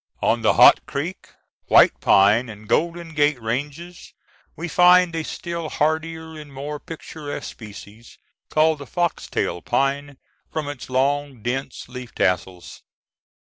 On the Hot Creek, White Pine, and Golden Gate ranges we find a still hardier and more picturesque species, called the foxtail pine, from its long dense leaf tassels.